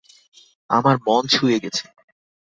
আমার মন ছুঁয়ে গেছে!